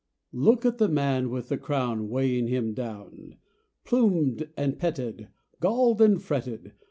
Look at the man with the crown Weighing him down. Plumed and petted, Galled and fretted!